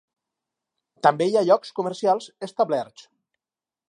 També hi ha llocs comercials establerts.